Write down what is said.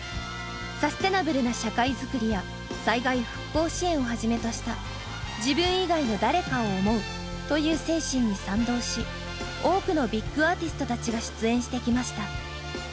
サステナブルな社会作りや災害復興支援をはじめとした「自分以外の誰かを想う」という精神に賛同し多くのビッグアーティストたちが出演してきました。